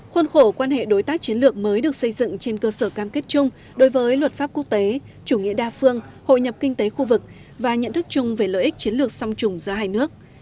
khuôn khổ quan hệ đối tác chiến lược mới được xây dựng trên cơ sở cam kết chung đối với luật pháp quốc tế chủ nghĩa đa phương hội nhập kinh tế khu vực và nhận thức chung về lợi ích chiến lược song trùng giữa hai nước